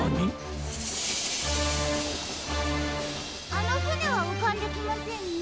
あのふねはうかんできませんね。